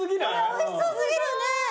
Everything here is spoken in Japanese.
おいしそう過ぎるね。